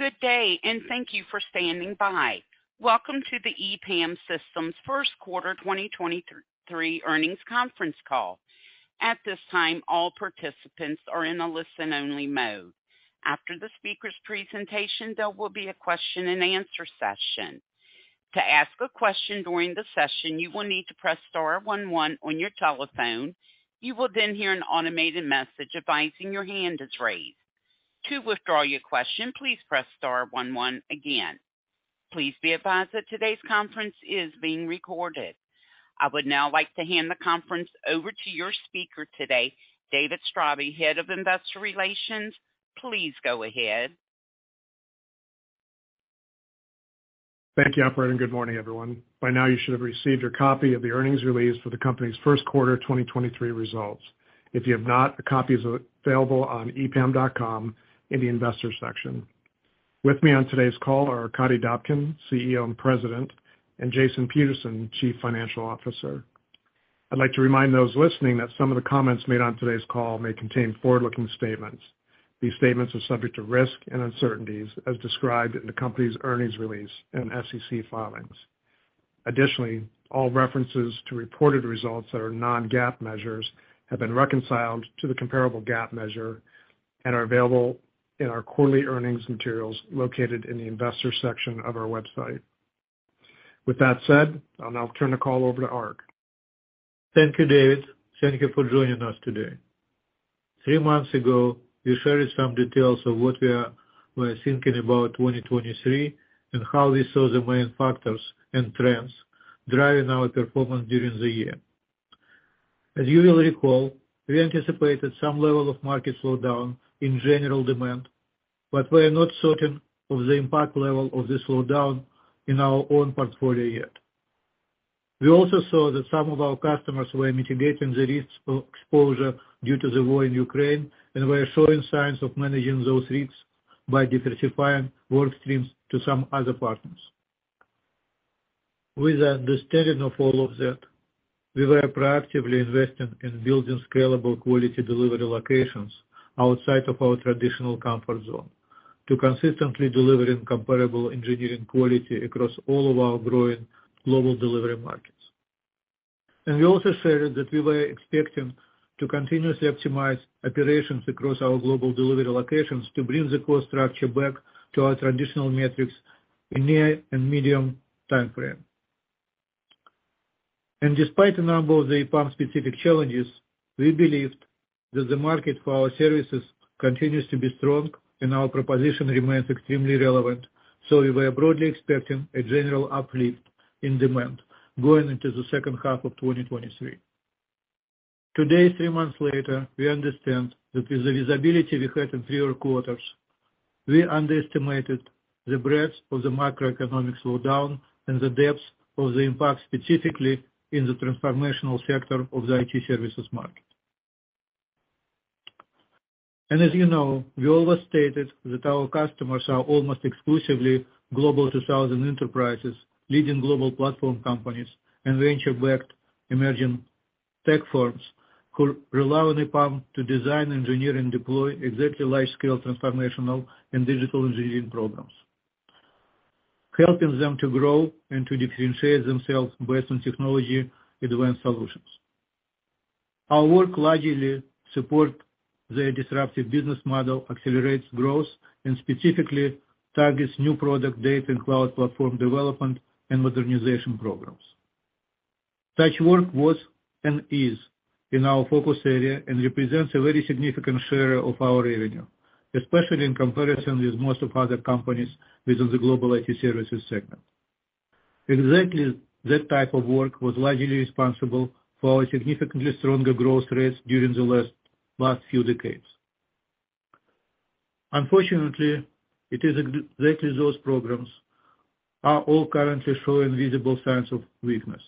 Good day, thank you for standing by. Welcome to the EPAM Systems first quarter 2023 earnings conference call. At this time, all participants are in a listen only mode. After the speaker's presentation, there will be a question and answer session. To ask a question during the session, you will need to press star one one on your telephone. You will hear an automated message advising your hand is raised. To withdraw your question, please press star one one again. Please be advised that today's conference is being recorded. I would now like to hand the conference over to your speaker today, David Straube, Head of Investor Relations. Please go ahead. Thank you, operator. Good morning, everyone. By now you should have received your copy of the earnings release for the company's first quarter 2023 results. If you have not, a copy is available on epam.com in the investor section. With me on today's call are Arkadiy Dobkin, CEO and President, and Jason Peterson, Chief Financial Officer. I'd like to remind those listening that some of the comments made on today's call may contain forward-looking statements. These statements are subject to risk and uncertainties as described in the company's earnings release and SEC filings. All references to reported results that are non-GAAP measures have been reconciled to the comparable GAAP measure and are available in our quarterly earnings materials located in the investor section of our website. With that said, I'll now turn the call over to Ark. Thank you, David. Thank you for joining us today. 3 months ago, we shared some details of what we're thinking about 2023 and how we saw the main factors and trends driving our performance during the year. As you will recall, we anticipated some level of market slowdown in general demand, but we're not certain of the impact level of the slowdown in our own portfolio yet. We also saw that some of our customers were mitigating the risks of exposure due to the war in Ukraine and were showing signs of managing those risks by diversifying work streams to some other partners. With the understanding of all of that, we were proactively investing in building scalable quality delivery locations outside of our traditional comfort zone to consistently deliver comparable engineering quality across all of our growing global delivery markets. We also shared that we were expecting to continuously optimize operations across our global delivery locations to bring the cost structure back to our traditional metrics in near and medium time frame. Despite a number of the EPAM specific challenges, we believed that the market for our services continues to be strong, and our proposition remains extremely relevant. We were broadly expecting a general uplift in demand going into the second half of 2023. Today, three months later, we understand that with the visibility we had in prior quarters, we underestimated the breadth of the macroeconomic slowdown and the depth of the impact, specifically in the transformational sector of the IT services market. As you know, we always stated that our customers are almost exclusively Global 2000 enterprises, leading global platform companies and venture backed emerging tech firms who rely on EPAM to design, engineer, and deploy exactly life scale transformational and digital engineering programs. Helping them to grow and to differentiate themselves based on technology advanced solutions. Our work largely support their disruptive business model, accelerates growth, and specifically targets new product data and cloud platform development and modernization programs. Such work was and is in our focus area and represents a very significant share of our revenue, especially in comparison with most of other companies within the global IT services segment. Exactly that type of work was largely responsible for our significantly stronger growth rates during the last few decades. Unfortunately, it is exactly those programs are all currently showing visible signs of weakness.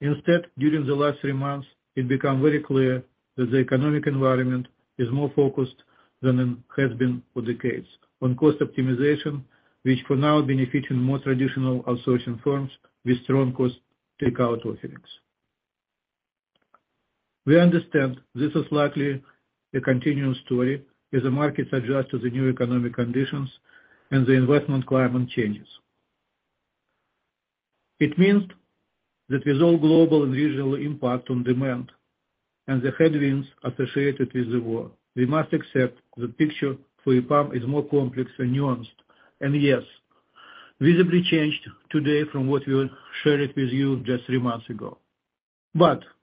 Instead, during the last three months, it become very clear that the economic environment is more focused than it has been for decades on cost optimization, which for now benefiting more traditional outsourcing firms with strong cost takeout offerings. We understand this is likely a continuing story as the markets adjust to the new economic conditions and the investment climate changes. It means that with all global and regional impact on demand and the headwinds associated with the war, we must accept the picture for EPAM is more complex and nuanced, and yes, visibly changed today from what we shared with you just three months ago.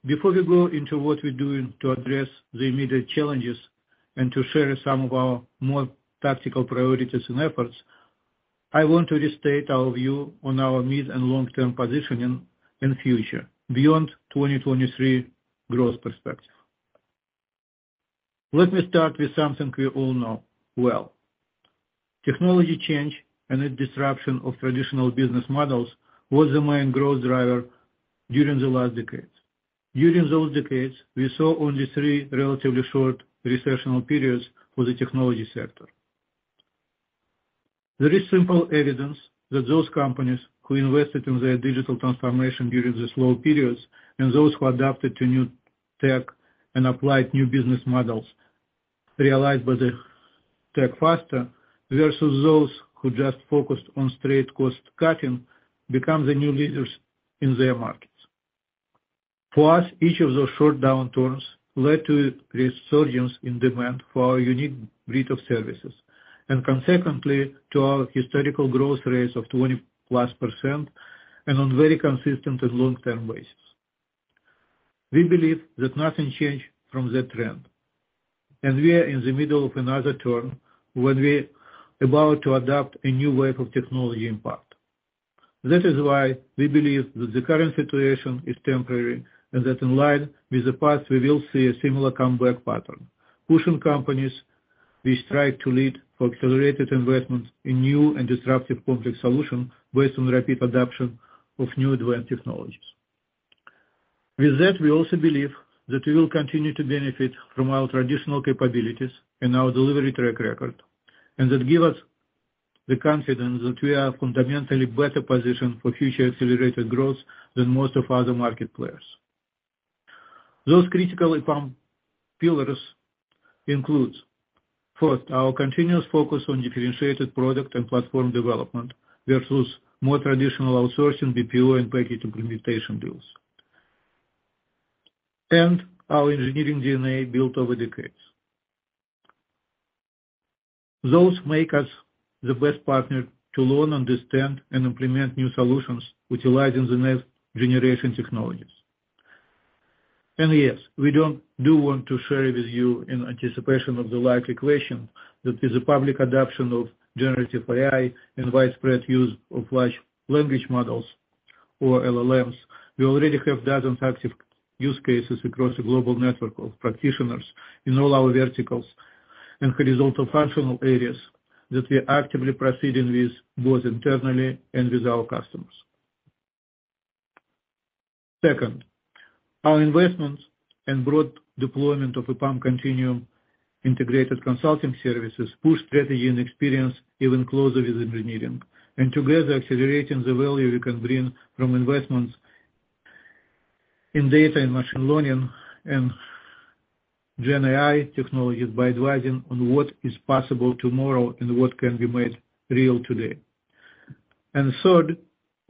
Before we go into what we're doing to address the immediate challenges and to share some of our more tactical priorities and efforts, I want to restate our view on our mid and long-term positioning in future beyond 2023 growth perspective. Let me start with something we all know well. Technology change and its disruption of traditional business models was the main growth driver during the last decades. During those decades, we saw only three relatively short recessional periods for the technology sector. There is simple evidence that those companies who invested in their digital transformation during the slow periods and those who adapted to newTech and applied new business models realized by the tech faster versus those who just focused on straight cost cutting become the new leaders in their markets. For us, each of those short downturns led to resurgence in demand for our unique breed of services, consequently, to our historical growth rates of 20%+ and on very consistent and long-term basis. We believe that nothing changed from that trend, and we are in the middle of another term where we about to adopt a new wave of technology impact. This is why we believe that the current situation is temporary, and that in line with the past, we will see a similar comeback pattern, pushing companies we strive to lead for accelerated investments in new and disruptive complex solution based on rapid adoption of new advanced technologies. With that, we also believe that we will continue to benefit from our traditional capabilities and our delivery track record. That give us the confidence that we are fundamentally better positioned for future accelerated growth than most of other market players. Those critical EPAM pillars includes, first, our continuous focus on differentiated product and platform development versus more traditional outsourcing BPO and package implementation deals, and our engineering DNA built over decades. Those make us the best partner to learn, understand, and implement new solutions utilizing the next generation technologies. Yes, we don't do want to share it with you in anticipation of the likely question that with the public adoption of generative AI and widespread use of large language models or LLMs, we already have dozen active use cases across a global network of practitioners in all our verticals and horizontal functional areas that we are actively proceeding with both internally and with our customers. Second, our investments and broad deployment of EPAM Continuum integrated consulting services push strategy and experience even closer with engineering, and together accelerating the value we can bring from investments in data and machine learning and GenAI technologies by advising on what is possible tomorrow and what can be made real today. Third,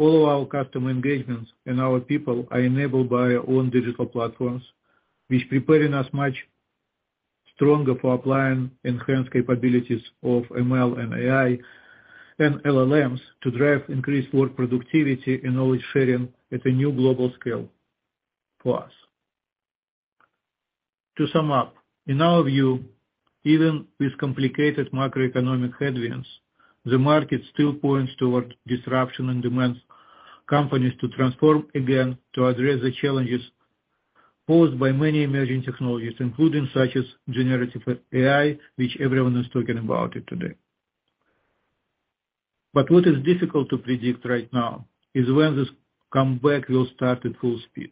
all our customer engagements and our people are enabled by our own digital platforms, which preparing us much stronger for applying enhanced capabilities of ML and AI and LLMs to drive increased work productivity and knowledge sharing at a new global scale for us. To sum up, in our view, even with complicated macroeconomic headwinds, the market still points toward disruption and demands companies to transform again to address the challenges posed by many emerging technologies, including such as generative AI, which everyone is talking about it today. What is difficult to predict right now is when this comeback will start at full speed.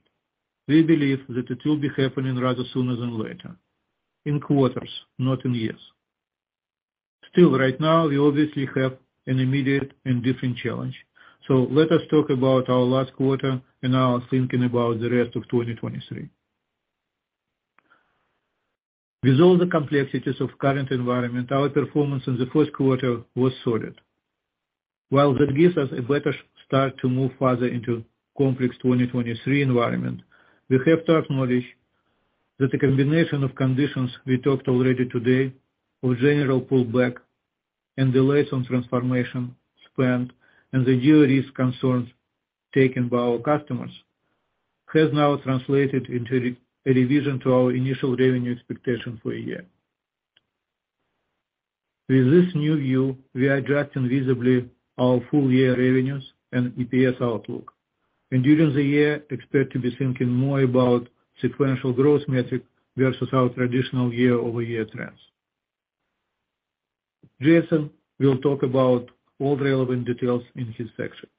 We believe that it will be happening rather sooner than later, in quarters, not in years. Right now, we obviously have an immediate and different challenge. Let us talk about our last quarter and our thinking about the rest of 2023. With all the complexities of current environment, our performance in the first quarter was solid. While that gives us a better start to move further into complex 2023 environment, we have to acknowledge that the combination of conditions we talked already today of general pullback and delays on transformation spend and the new risk concerns taken by our customers has now translated into a revision to our initial revenue expectation for a year. With this new view, we are adjusting visibly our full year revenues and EPS outlook, and during the year, expect to be thinking more about sequential growth metric versus our traditional year-over-year trends. Jason will talk about all relevant details in his section.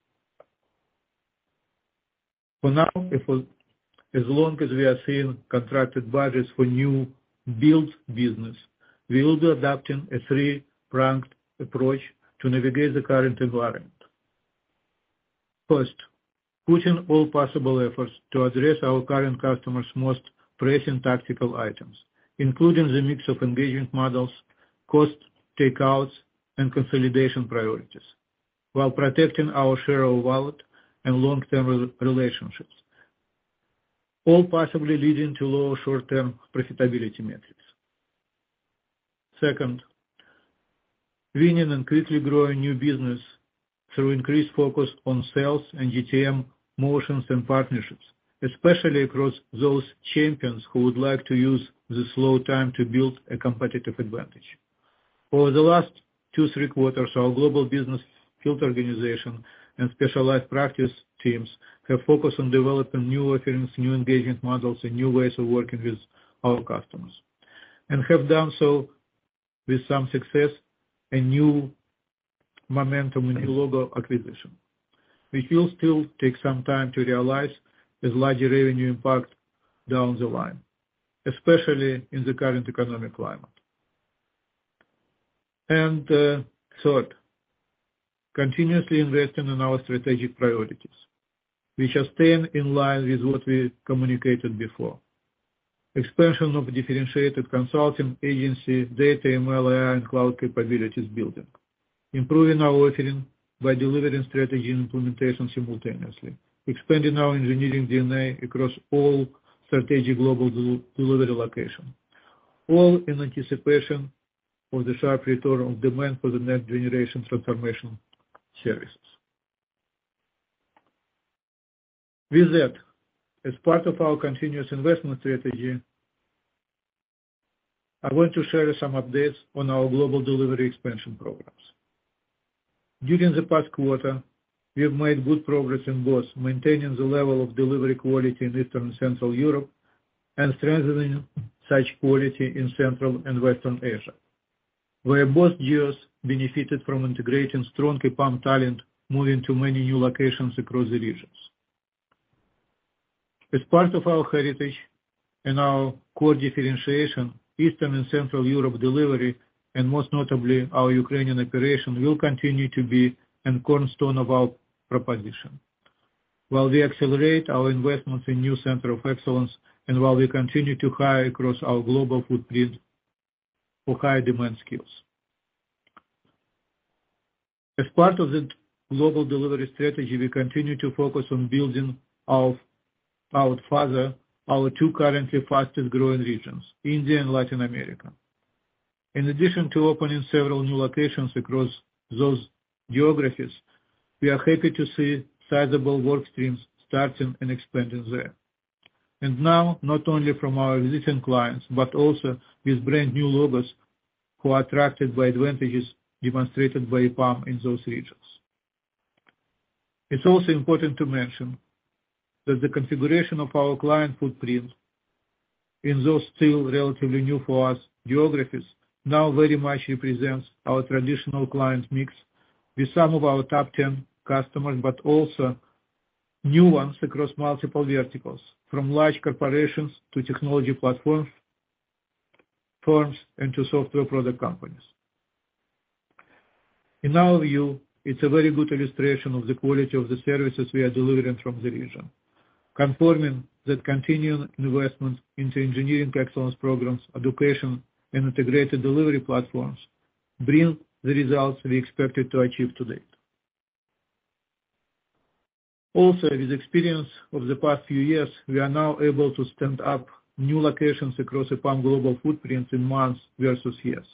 For now, as long as we are seeing contracted budgets for new build business, we will be adapting a three-pronged approach to navigate the current environment. First, putting all possible efforts to address our current customers' most pressing tactical items, including the mix of engagement models, cost takeouts, and consolidation priorities while protecting our share of wallet and long-term relationships, all possibly leading to lower short-term profitability metrics. Second, winning and quickly growing new business through increased focus on sales and GTM motions and partnerships, especially across those champions who would like to use this slow time to build a competitive advantage. Over the last two, three quarters, our global business field organization and specialized practice teams have focused on developing new offerings, new engagement models, and new ways of working with our customers, and have done so with some success and new momentum in new logo acquisition. Which will still take some time to realize with larger revenue impact down the line, especially in the current economic climate. Third, continuously investing in our strategic priorities, which are staying in line with what we communicated before. Expansion of differentiated consulting agency data ML/AI and cloud capabilities building. Improving our offering by delivering strategy and implementation simultaneously. Expanding our engineering DNA across all strategic global delivery location, all in anticipation of the sharp return on demand for the next generation transformation services. With that, as part of our continuous investment strategy, I want to share some updates on our global delivery expansion programs. During the past quarter, we have made good progress in both maintaining the level of delivery quality in Eastern Central Europe and strengthening such quality in Central and Western Asia, where both years benefited from integrating strong EPAM talent moving to many new locations across the regions. As part of our heritage and our core differentiation, Eastern and Central Europe delivery, and most notably our Ukrainian operation, will continue to be a cornerstone of our proposition while we accelerate our investments in new center of excellence and while we continue to hire across our global footprint for high demand skills. As part of the global delivery strategy, we continue to focus on building our further our two currently fastest-growing regions, India and Latin America. In addition to opening several new locations across those geographies, we are happy to see sizable work streams starting and expanding there. Now, not only from our existing clients, but also with brand new logos who are attracted by advantages demonstrated by EPAM in those regions. It's also important to mention that the configuration of our client footprint in those still relatively new for us geographies now very much represents our traditional client mix with some of our top 10 customers, but also new ones across multiple verticals, from large corporations to technology platforms, firms, and to software product companies. In our view, it's a very good illustration of the quality of the services we are delivering from the region, confirming that continued investments into engineering excellence programs, education, and integrated delivery platforms bring the results we expected to achieve today. Also, with experience of the past few years, we are now able to stand up new locations across EPAM global footprint in months versus years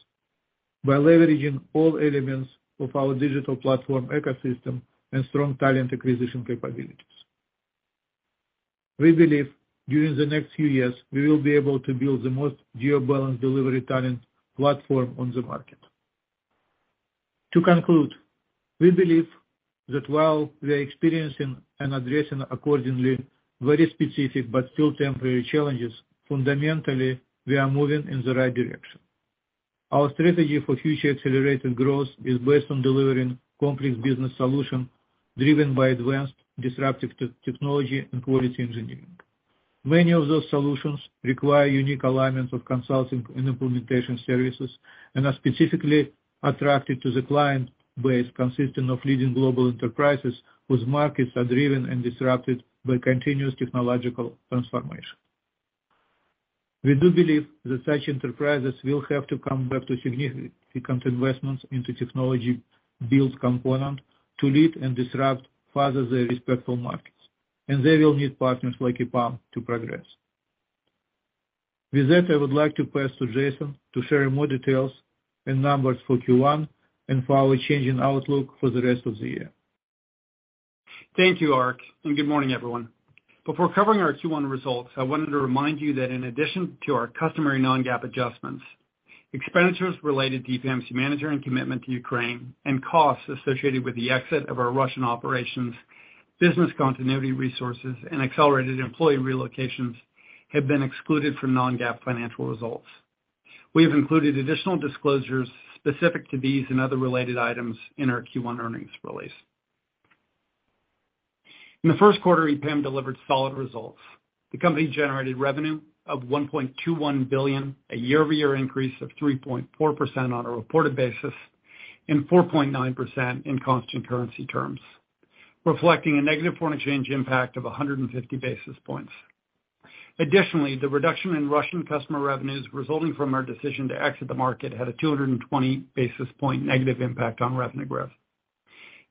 by leveraging all elements of our digital platform ecosystem and strong talent acquisition capabilities. We believe during the next few years, we will be able to build the most geo-balanced delivery talent platform on the market. To conclude, we believe that while we are experiencing and addressing accordingly very specific but still temporary challenges, fundamentally, we are moving in the right direction. Our strategy for future accelerated growth is based on delivering complex business solution driven by advanced disruptive technology and quality engineering. Many of those solutions require unique alignment of consulting and implementation services and are specifically attracted to the client base consisting of leading global enterprises whose markets are driven and disrupted by continuous technological transformation. We do believe that such enterprises will have to come back to significant investments into technology build component to lead and disrupt further their respectful markets, and they will need partners like EPAM to progress. With that, I would like to pass to Jason to share more details and numbers for Q1 and for our changing outlook for the rest of the year. Thank you, Ark. Good morning, everyone. Before covering our Q1 results, I wanted to remind you that in addition to our customary non-GAAP adjustments, expenditures related to EPAM's management commitment to Ukraine and costs associated with the exit of our Russian operations, business continuity resources, and accelerated employee relocations have been excluded from non-GAAP financial results. We have included additional disclosures specific to these and other related items in our Q1 earnings release. In the first quarter, EPAM delivered solid results. The company generated revenue of $1.21 billion, a year-over-year increase of 3.4% on a reported basis and 4.9% in constant currency terms, reflecting a negative foreign exchange impact of 150 basis points. Additionally, the reduction in Russian customer revenues resulting from our decision to exit the market had a 220 basis point negative impact on revenue growth.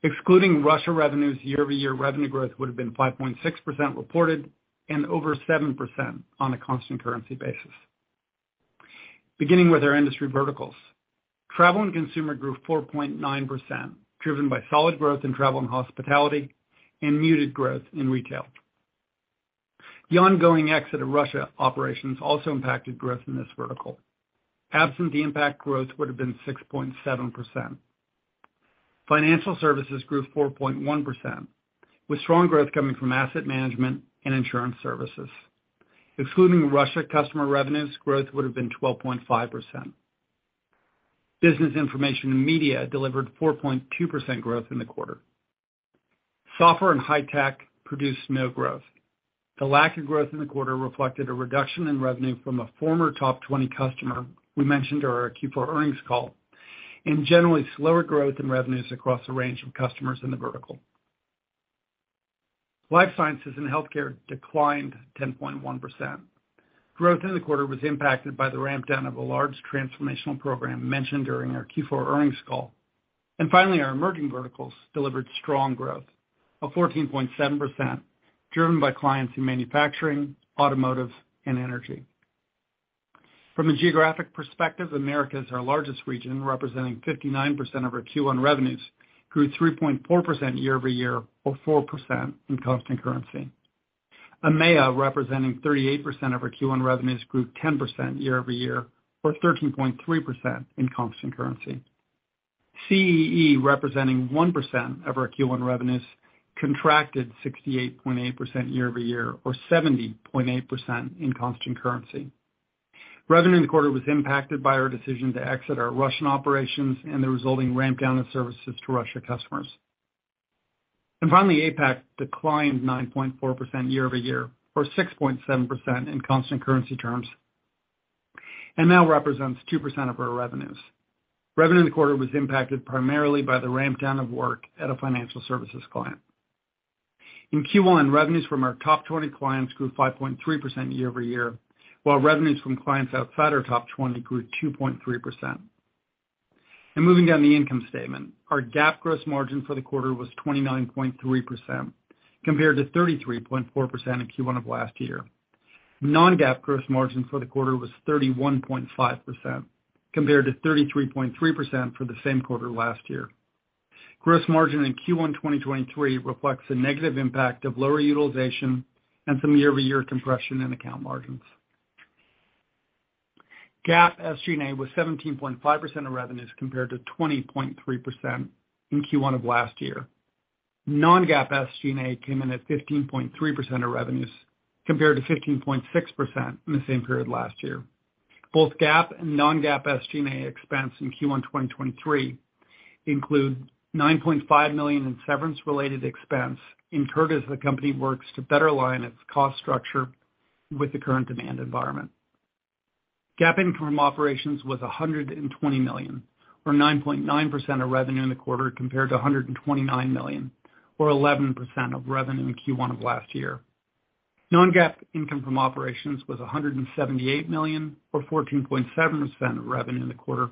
Excluding Russia revenues, year-over-year revenue growth would have been 5.6% reported and over 7% on a constant currency basis. Beginning with our industry verticals, Travel and Consumer grew 4.9%, driven by solid growth in travel and hospitality and muted growth in retail. The ongoing exit of Russia operations also impacted growth in this vertical. Absent the impact, growth would have been 6.7%. Financial Services grew 4.1%, with strong growth coming from asset management and insurance services. Excluding Russia customer revenues, growth would have been 12.5%. Business Information and Media delivered 4.2% growth in the quarter. Software and High Tech produced no growth. The lack of growth in the quarter reflected a reduction in revenue from a former top 20 customer we mentioned on our Q4 earnings call, generally slower growth in revenues across a range of customers in the vertical. Life sciences and healthcare declined 10.1%. Growth in the quarter was impacted by the ramp-down of a large transformational program mentioned during our Q4 earnings call. Finally, our emerging verticals delivered strong growth of 14.7%, driven by clients in manufacturing, automotive and energy. From a geographic perspective, America is our largest region, representing 59% of our Q1 revenues, grew 3.4% year-over-year, or 4% in constant currency. EMEA, representing 38% of our Q1 revenues, grew 10% year-over-year or 13.3% in constant currency. CEE, representing 1% of our Q1 revenues, contracted 68.8% year-over-year or 70.8% in constant currency. Revenue in the quarter was impacted by our decision to exit our Russian operations and the resulting ramp down of services to Russia customers. Finally, APAC declined 9.4% year-over-year or 6.7% in constant currency terms, and now represents 2% of our revenues. Revenue in the quarter was impacted primarily by the ramp down of work at a financial services client. In Q1, revenues from our top 20 clients grew 5.3% year-over-year, while revenues from clients outside our top 20 grew 2.3%. Moving down the income statement. Our GAAP gross margin for the quarter was 29.3% compared to 33.4% in Q1 of last year. Non-GAAP gross margin for the quarter was 31.5% compared to 33.3% for the same quarter last year. Gross margin in Q1 2023 reflects a negative impact of lower utilization and some year-over-year compression in account margins. GAAP SG&A was 17.5% of revenues compared to 20.3% in Q1 of last year. Non-GAAP SG&A came in at 15.3% of revenues compared to 15.6% in the same period last year. Both GAAP and non-GAAP SG&A expense in Q1 2023 include $9.5 million in severance related expense incurred as the company works to better align its cost structure with the current demand environment. GAAP income from operations was $120 million, or 9.9% of revenue in the quarter, compared to $129 million, or 11% of revenue in Q1 of last year. non-GAAP income from operations was $178 million, or 14.7% of revenue in the quarter,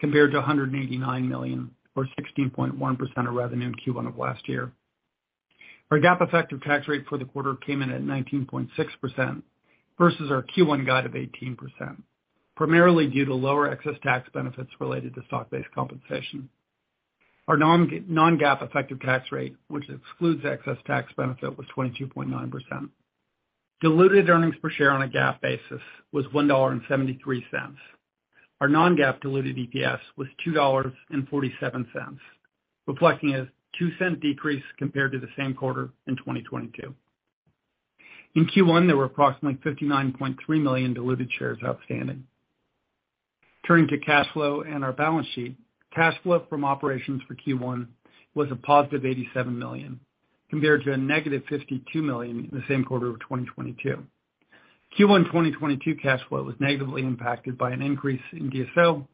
compared to $189 million, or 16.1% of revenue in Q1 of last year. Our GAAP effective tax rate for the quarter came in at 19.6% versus our Q1 guide of 18%, primarily due to lower excess tax benefits related to stock-based compensation. Our non-GAAP effective tax rate, which excludes excess tax benefit, was 22.9%. Diluted earnings per share on a GAAP basis was $1.73. Our non-GAAP diluted EPS was $2.47, reflecting a $0.02 decrease compared to the same quarter in 2022. In Q1, there were approximately 59.3 million diluted shares outstanding. Turning to cash flow and our balance sheet. Cash flow from operations for Q1 was a positive $87 million, compared to a negative $52 million in the same quarter of 2022. Q1 2022 cash flow was negatively impacted by an increase in DSO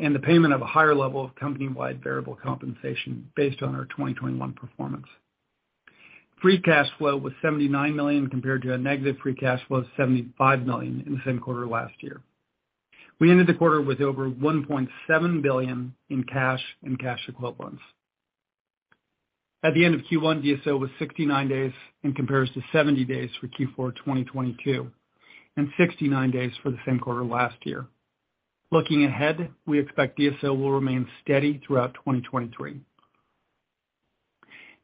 and the payment of a higher level of company-wide variable compensation based on our 2021 performance. Free cash flow was $79 million, compared to a negative free cash flow of $75 million in the same quarter last year. We ended the quarter with over $1.7 billion in cash and cash equivalents. At the end of Q1, DSO was 69 days and compares to 70 days for Q4 2022 and 69 days for the same quarter last year. Looking ahead, we expect DSO will remain steady throughout 2023.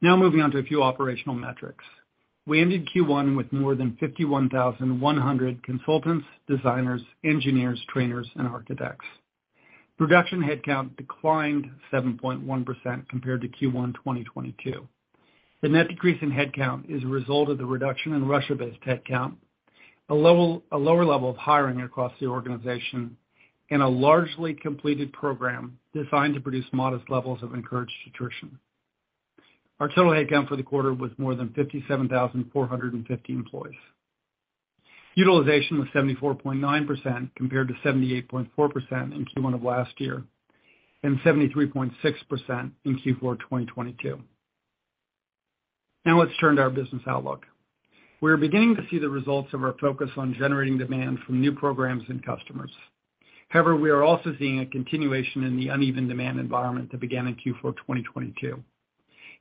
Moving on to a few operational metrics. We ended Q1 with more than 51,100 consultants, designers, engineers, trainers, and architects. Production headcount declined 7.1% compared to Q1 2022. The net decrease in headcount is a result of the reduction in Russia-based headcount, a lower level of hiring across the organization, and a largely completed program designed to produce modest levels of encouraged attrition. Our total headcount for the quarter was more than 57,450 employees. Utilization was 74.9% compared to 78.4% in Q1 of last year and 73.6% in Q4 2022. Now let's turn to our business outlook. We are beginning to see the results of our focus on generating demand from new programs and customers. However, we are also seeing a continuation in the uneven demand environment that began in Q4 2022.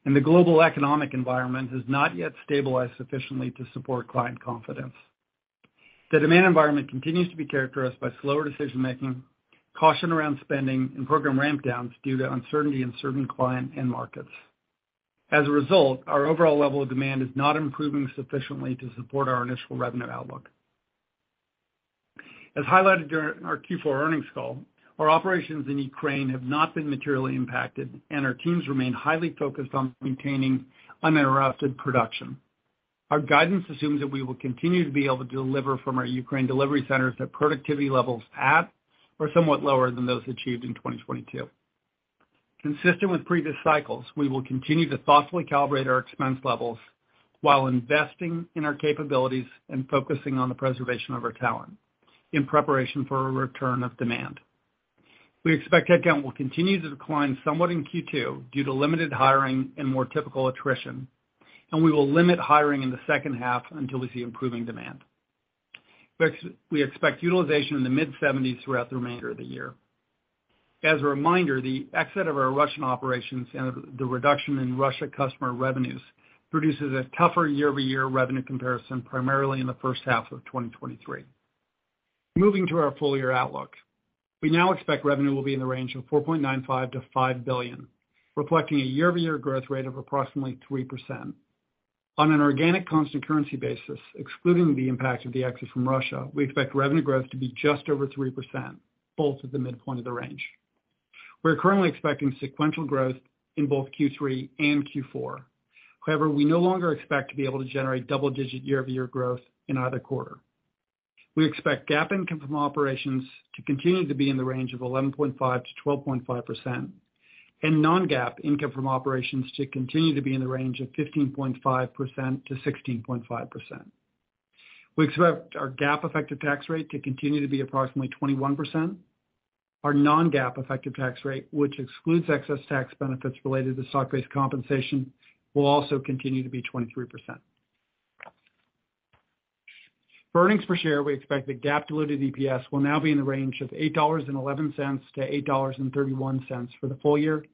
The global economic environment has not yet stabilized sufficiently to support client confidence. The demand environment continues to be characterized by slower decision making, caution around spending and program ramp downs due to uncertainty in certain client end markets. As a result, our overall level of demand is not improving sufficiently to support our initial revenue outlook. As highlighted during our Q4 earnings call, our operations in Ukraine have not been materially impacted and our teams remain highly focused on maintaining uninterrupted production. Our guidance assumes that we will continue to be able to deliver from our Ukraine delivery centers at productivity levels at or somewhat lower than those achieved in 2022. Consistent with previous cycles, we will continue to thoughtfully calibrate our expense levels while investing in our capabilities and focusing on the preservation of our talent in preparation for a return of demand. We expect headcount will continue to decline somewhat in Q2 due to limited hiring and more typical attrition, and we will limit hiring in the second half until we see improving demand. We expect utilization in the mid-seventies throughout the remainder of the year. As a reminder, the exit of our Russian operations and the reduction in Russia customer revenues produces a tougher year-over-year revenue comparison primarily in the first half of 2023. Moving to our full-year outlook. We now expect revenue will be in the range of $4.95 billion-$5 billion, reflecting a year-over-year growth rate of approximately 3%. On an organic constant currency basis, excluding the impact of the exit from Russia, we expect revenue growth to be just over 3%, both at the midpoint of the range. We're currently expecting sequential growth in both Q3 and Q4. We no longer expect to be able to generate double-digit year-over-year growth in either quarter. We expect GAAP income from operations to continue to be in the range of 11.5%-12.5% and non-GAAP income from operations to continue to be in the range of 15.5%-16.5%. We expect our GAAP effective tax rate to continue to be approximately 21%. Our non-GAAP effective tax rate, which excludes excess tax benefits related to stock-based compensation, will also continue to be 23%. Earnings per share, we expect that GAAP diluted EPS will now be in the range of $8.11-$8.31 for the full year,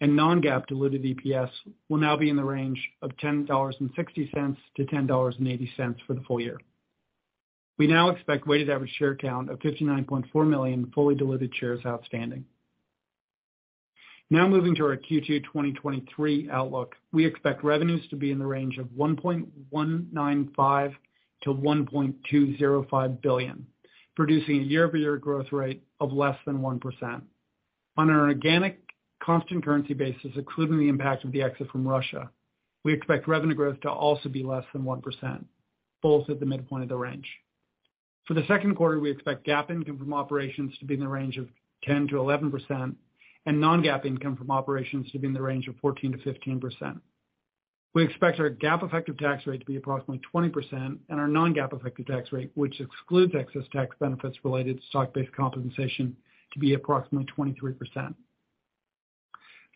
and non-GAAP diluted EPS will now be in the range of $10.60-$10.80 for the full year. We now expect weighted average share count of 59.4 million fully diluted shares outstanding. Now moving to our Q2 2023 outlook. We expect revenues to be in the range of $1.195 billion-$1.205 billion, producing a year-over-year growth rate of less than 1%. On an organic constant currency basis, excluding the impact of the exit from Russia, we expect revenue growth to also be less than 1%, both at the midpoint of the range. For the second quarter, we expect GAAP income from operations to be in the range of 10%-11% and non-GAAP income from operations to be in the range of 14%-15%. We expect our GAAP effective tax rate to be approximately 20% and our non-GAAP effective tax rate, which excludes excess tax benefits related to stock-based compensation, to be approximately 23%.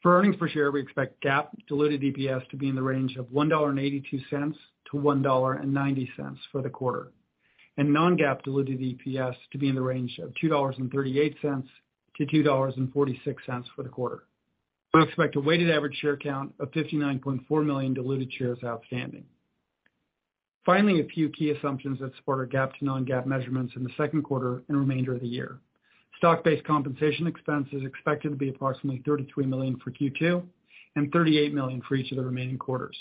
For earnings per share, we expect GAAP diluted EPS to be in the range of $1.82-$1.90 for the quarter, and non-GAAP diluted EPS to be in the range of $2.38-$2.46 for the quarter. We expect a weighted average share count of 59.4 million diluted shares outstanding. Finally, a few key assumptions that support our GAAP to non-GAAP measurements in the second quarter and remainder of the year. Stock-based compensation expense is expected to be approximately $33 million for Q2 and $38 million for each of the remaining quarters.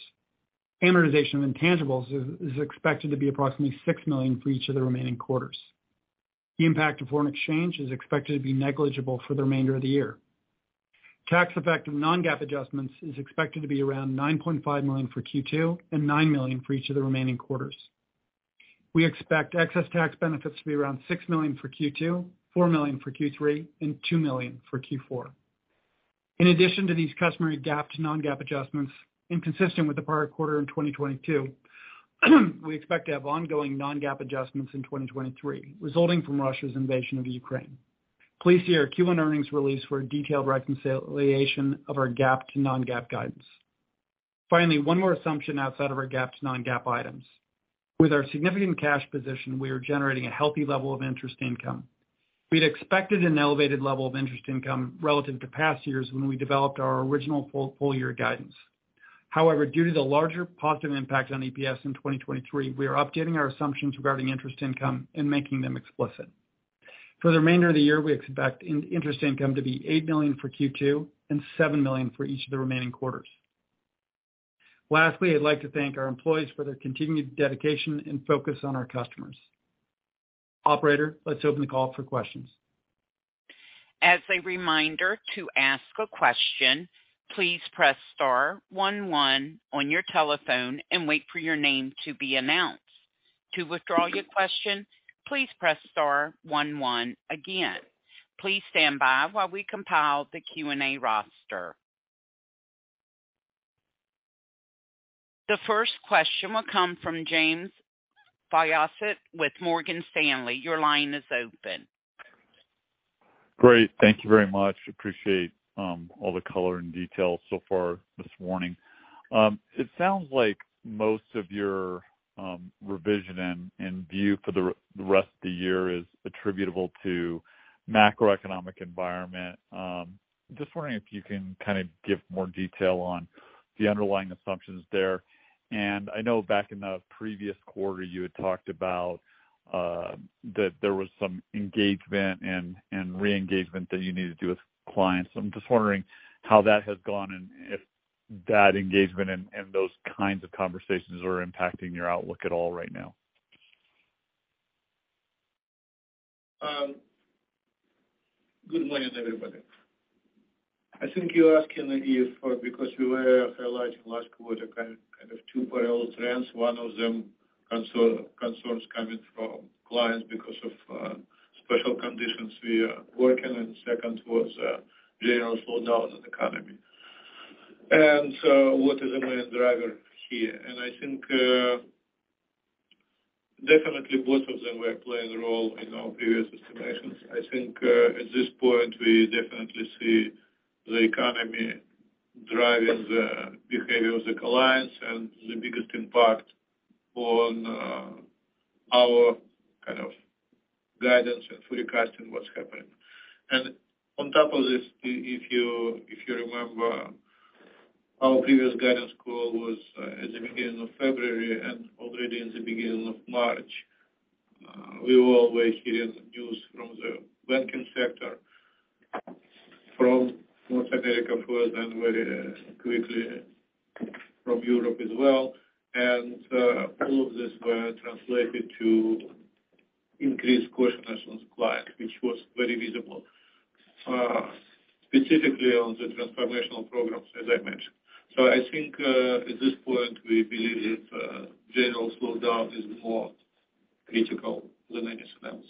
Amortization of intangibles is expected to be approximately $6 million for each of the remaining quarters. The impact of foreign exchange is expected to be negligible for the remainder of the year. Tax effect of non-GAAP adjustments is expected to be around $9.5 million for Q2 and $9 million for each of the remaining quarters. We expect excess tax benefits to be around $6 million for Q2, $4 million for Q3, and $2 million for Q4. In addition to these customary GAAP to non-GAAP adjustments, and consistent with the prior quarter in 2022, we expect to have ongoing non-GAAP adjustments in 2023, resulting from Russia's invasion of Ukraine. Please see our Q1 earnings release for a detailed reconciliation of our GAAP to non-GAAP guidance. Finally, one more assumption outside of our GAAP to non-GAAP items. With our significant cash position, we are generating a healthy level of interest income. We'd expected an elevated level of interest income relative to past years when we developed our original full-year guidance. However, due to the larger positive impact on EPS in 2023, we are updating our assumptions regarding interest income and making them explicit. For the remainder of the year, we expect interest income to be $8 million for Q2 and $7 million for each of the remaining quarters. Lastly, I'd like to thank our employees for their continued dedication and focus on our customers. Operator, let's open the call for questions. As a reminder, to ask a question, please press star 11 on your telephone and wait for your name to be announced. To withdraw your question, please press star 11 again. Please stand by while we compile the Q&A roster. The first question will come from James Faucette with Morgan Stanley. Your line is open. Great. Thank you very much. Appreciate all the color and detail so far this morning. It sounds like most of your revision and view for the rest of the year is attributable to macroeconomic environment. Just wondering if you can kind of give more detail on the underlying assumptions there. I know back in the previous quarter, you had talked about that there was some engagement and re-engagement that you needed to do with clients. I'm just wondering how that has gone and if that engagement and those kinds of conversations are impacting your outlook at all right now. Good morning, everybody. I think you're asking if, because we were highlighting last quarter kind of two parallel trends. One of them concerns coming from clients because of special conditions we are working, and second was a general slowdown in the economy. What is the main driver here? I think, definitely both of them were playing a role in our previous estimations. I think, at this point, we definitely see the economy driving the behavior of the clients and the biggest impact on our kind of guidance and forecasting what's happening. On top of this, if you remember, our previous guidance call was at the beginning of February, and already in the beginning of March, we were already hearing news from the banking sector, from North America first, then very quickly from Europe as well. All of this were translated to increased caution as client, which was very visible specifically on the transformational programs, as I mentioned. I think at this point, we believe it general slowdown is more critical than any trends.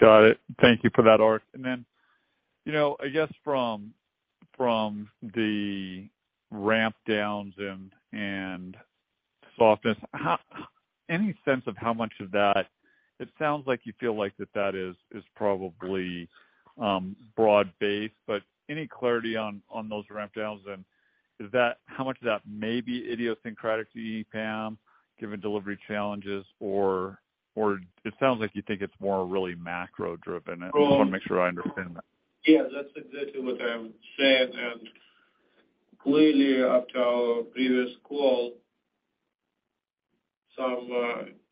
Got it. Thank you for that, Ark. Then, you know, I guess from the ramp downs and softness, any sense of how much of that? It sounds like you feel like that is probably broad-based, but any clarity on those ramp downs and how much of that may be idiosyncratic to EPAM given delivery challenges? It sounds like you think it's more really macro driven. I just wanna make sure I understand that. Yeah. That's exactly what I'm saying. Clearly after our previous call, some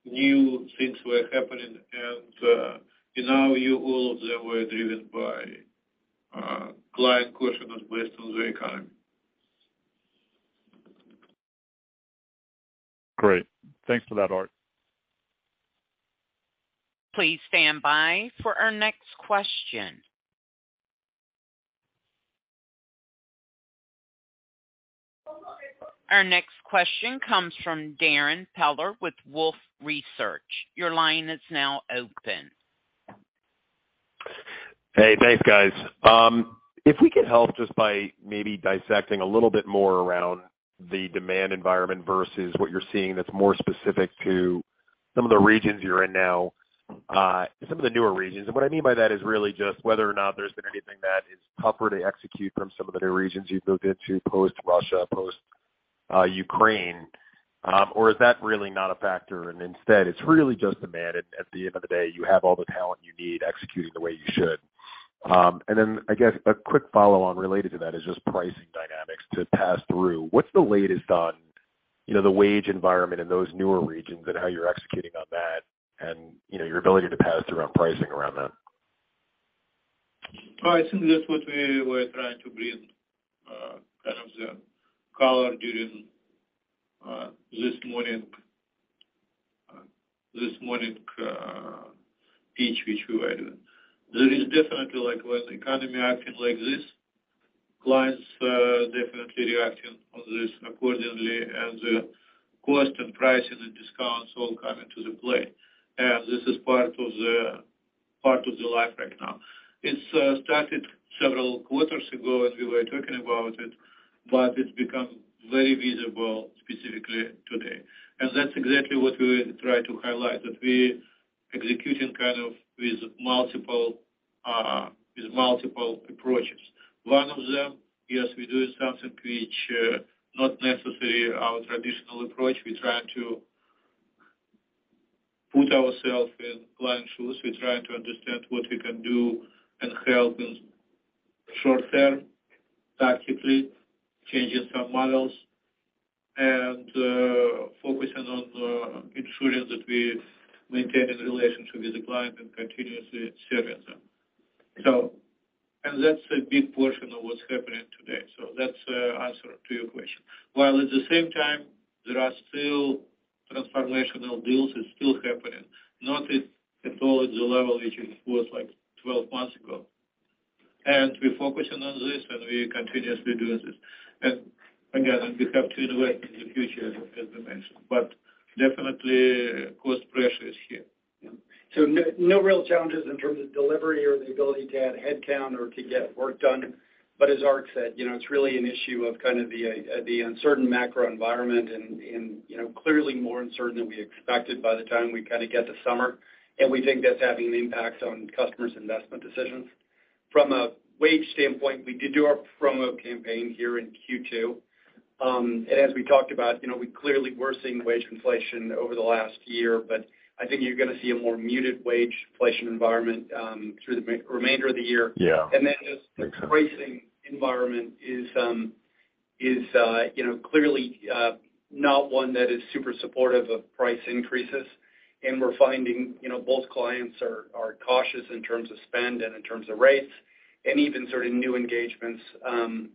new things were happening. In our view, all of them were driven by client caution based on the economy. Great. Thanks for that, Ark. Please stand by for our next question. Our next question comes from Darrin Peller with Wolfe Research. Your line is now open. Hey, thanks, guys. If we could help just by maybe dissecting a little bit more around the demand environment versus what you're seeing that's more specific to some of the regions you're in now, some of the newer regions. What I mean by that is really just whether or not there's been anything that is tougher to execute from some of the new regions you've moved into post Russia, post Ukraine, or is that really not a factor and instead it's really just demand and at the end of the day, you have all the talent you need executing the way you should. Then I guess a quick follow-on related to that is just pricing dynamics to pass through. What's the latest on, you know, the wage environment in those newer regions and how you're executing on that and, you know, your ability to pass through on pricing around that? I think that's what we were trying to bring, kind of the color during this morning, each which we were doing. There is definitely like when the economy acting like this, clients, definitely reacting on this accordingly, and the cost and pricing and discounts all come into the play. This is part of the life right now. It's started several quarters ago, and we were talking about it, but it's become very visible specifically today. That's exactly what we try to highlight, that we're executing kind of with multiple, with multiple approaches. One of them, yes, we do something which, not necessarily our traditional approach. We're trying to put ourselves in client shoes. We're trying to understand what we can do and help in short term, tactically changing some models and focusing on ensuring that we maintain a relationship with the client and continuously serving them. That's a big portion of what's happening today. That's answer to your question. At the same time, there are still transformational deals still happening, not at all at the level it was like 12 months ago. We're focusing on this, and we continuously do this. We have to innovate in the future, as you mentioned, but definitely cost pressures here. No, no real challenges in terms of delivery or the ability to add headcount or to get work done. As Ark said, you know, it's really an issue of kind of the uncertain macro environment and, you know, clearly more uncertain than we expected by the time we kind of get to summer. We think that's having an impact on customers' investment decisions. From a wage standpoint, we did do our promo campaign here in Q2. As we talked about, you know, we clearly were seeing wage inflation over the last year, but I think you're gonna see a more muted wage inflation environment, through the remainder of the year. Yeah. Just the pricing environment is, you know, clearly, not one that is super supportive of price increases. We're finding, you know, both clients are cautious in terms of spend and in terms of rates. Even certain new engagements,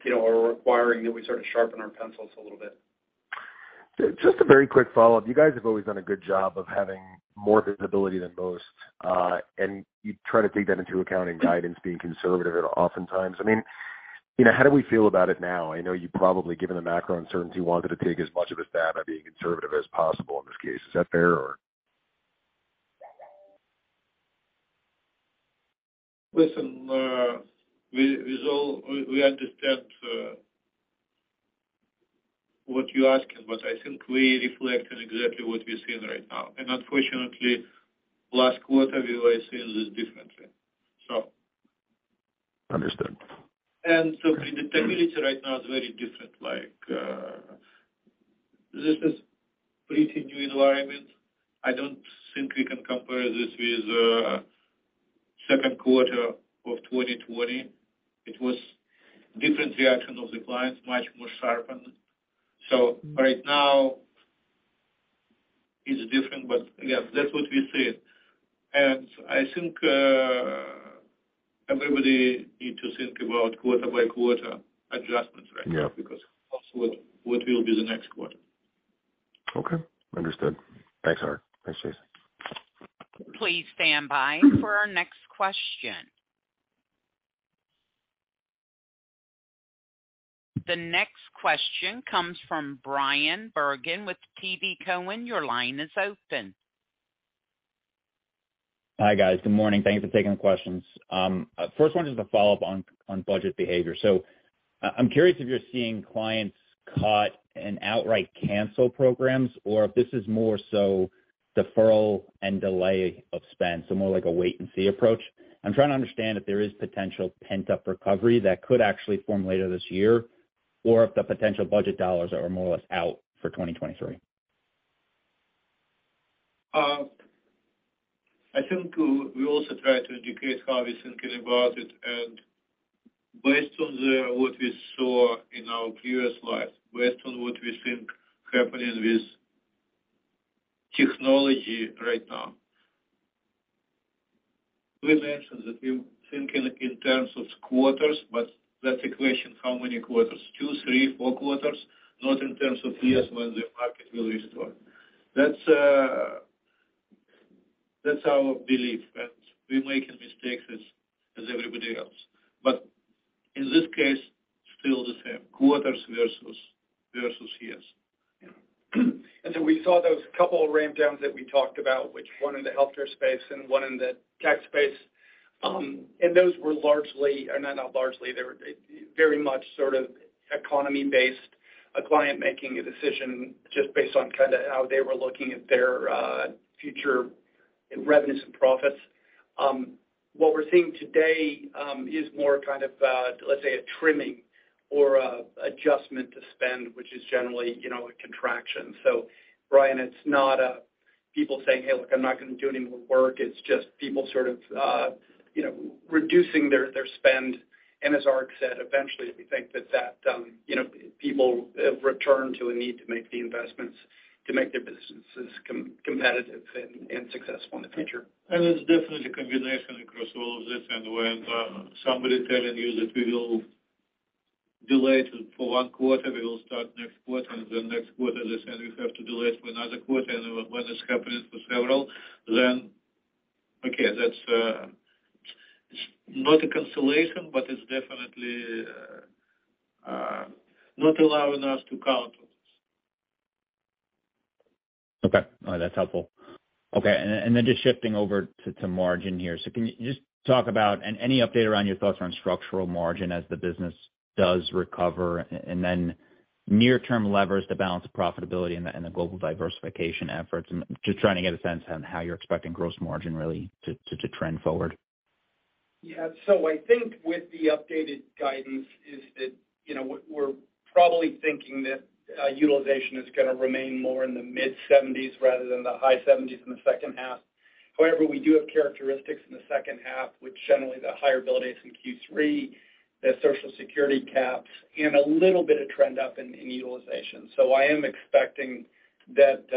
you know, are requiring that we sort of sharpen our pencils a little bit. Just a very quick follow-up. You guys have always done a good job of having more visibility than most, and you try to take that into account in guidance being conservative at oftentimes. I mean, you know, how do we feel about it now? I know you probably, given the macro uncertainty, wanted to take as much of a stab at being conservative as possible in this case. Is that fair or? Listen, we so-- we understand, what you're asking, but I think we reflect on exactly what we're seeing right now. Unfortunately, last quarter, we were seeing this differently. Understood. The stability right now is very different, like, this is pretty new environment. I don't think we can compare this with second quarter of 2020. It was different reaction of the clients, much more sharpened. Right now it's different. Yeah, that's what we're seeing. I think everybody need to think about quarter by quarter adjustments right now. Yeah. Also what will be the next quarter? Okay. Understood. Thanks, Ark. Thanks, Jason. Please stand by for our next question. The next question comes from Bryan Bergin with TD Cowen. Your line is open. Hi, guys. Good morning. Thank you for taking the questions. First one is to follow up on budget behavior. I'm curious if you're seeing clients cut and outright cancel programs or if this is more so deferral and delay of spend, so more like a wait and see approach. I'm trying to understand if there is potential pent up recovery that could actually form later this year or if the potential budget dollars are more or less out for 2023. I think we also try to indicate how we're thinking about it. Based on the, what we saw in our previous life, based on what we think happening with technology right now. We mentioned that we're thinking in terms of quarters, but that's a question how many quarters, 2, 3, 4 quarters, not in terms of years when the market will restore. That's our belief, and we're making mistakes as everybody else. In this case, still the same, quarters versus years. Yeah. We saw those couple of ramp downs that we talked about, which one in the healthcare space and one in the tech space. Those were largely, or not largely, they were very much sort of economy based, a client making a decision just based on kind of how they were looking at their future in revenues and profits. What we're seeing today is more kind of, let's say a trimming or adjustment to spend, which is generally, you know, a contraction. Bryan, it's not people saying, "Hey, look, I'm not gonna do any more work." It's just people sort of, you know, reducing their spend. As Ark said, eventually we think that people return to a need to make the investments to make their businesses competitive and successful in the future. It's definitely a combination across all of this. When somebody telling you that we will delay for 1 quarter, we will start next quarter, and then next quarter they're saying we have to delay it for another quarter, and when this happens for several, then okay, that's not a consolation, but it's definitely not allowing us to count on this. Okay. That's helpful. Okay. just shifting over to margin here. Can you just talk about any update around your thoughts on structural margin as the business does recover and then near-term levers to balance profitability and the global diversification efforts? I'm just trying to get a sense on how you're expecting gross margin really to trend forward. Yeah. I think with the updated guidance is that, you know, we're probably thinking that utilization is gonna remain more in the mid-70s rather than the high-70s in the second half. However, we do have characteristics in the second half, which generally the higher bill dates in Q3, the Social Security caps and a little bit of trend up in utilization. I am expecting that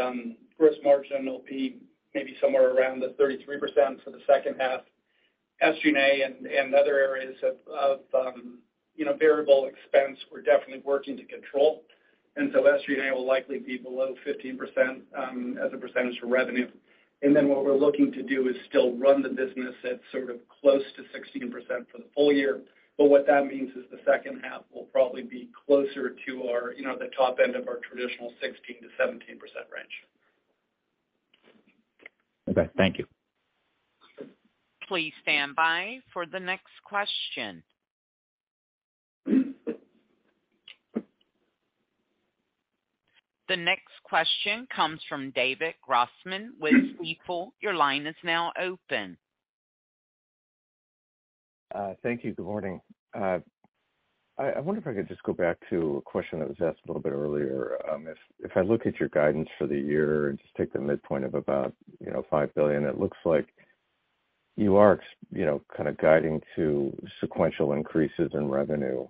gross margin will be maybe somewhere around the 33% for the second half. SG&A and other areas of, you know, variable expense, we're definitely working to control. SG&A will likely be below 15% as a percentage of revenue. What we're looking to do is still run the business at sort of close to 16% for the full year. What that means is the second half will probably be closer to our, you know, the top end of our traditional 16%-17% range. Okay, thank you. Please stand by for the next question. The next question comes from David Grossman with Stifel. Your line is now open. Thank you. Good morning. I wonder if I could just go back to a question that was asked a little bit earlier. If I look at your guidance for the year and just take the midpoint of about, you know, $5 billion, it looks like you are you know, kind of guiding to sequential increases in revenue